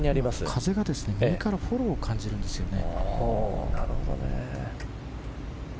風が右からフォローを感じるんですね。